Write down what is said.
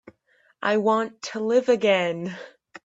I want to live again.